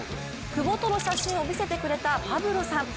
久保との写真を見せてくれたパブロさん。